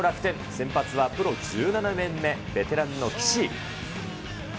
先発はプロ１７年目、ベテランの岸。